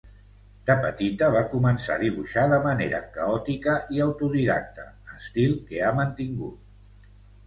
De petita va començar a dibuixar de manera caòtica i autodidacta, estil que ha mantingut.